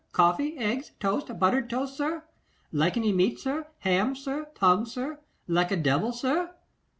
Coffee, eggs, toast, buttered toast, sir? Like any meat, sir? Ham, sir? Tongue, sir? Like a devil, sir?